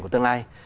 của tương lai